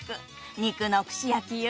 肉の串焼きよ。